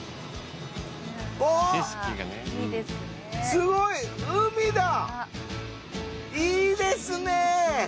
すごい！いいですね。